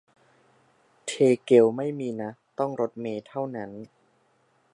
เทเกลไม่มีนะ ต้องรถเมล์เท่านั้น